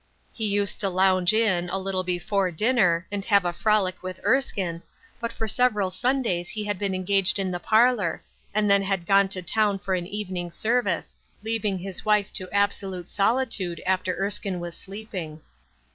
He used to lounge in, a little before dinner, and have a THE UNEXPECTED, 8l frolic with Erskine, but for several Sundays he had been engaged in the parlor, and then had gone to town for an evening service, leaving his wife to absolute solitude after Erskine was sleeping.